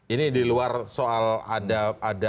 ini di luar soal ada